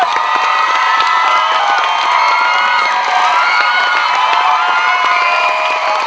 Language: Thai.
ฟัง